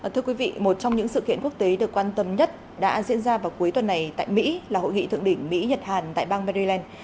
thưa quý vị một trong những sự kiện quốc tế được quan tâm nhất đã diễn ra vào cuối tuần này tại mỹ là hội nghị thượng đỉnh mỹ nhật hàn tại bang maryland